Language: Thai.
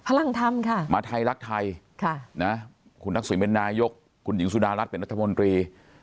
พลังธรรมค่ะมาไทยรักไทยคุณทักษิณเป็นนายกคุณหญิงสุดารัฐเป็นรัฐมนตรี